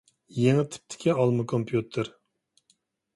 يېڭى تىپتىكى ئالما كومپيۇتېر.